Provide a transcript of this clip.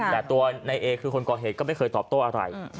แต่ตัวในเอคือคนก่อเหตุก็ไม่เคยตอบโต้อะไร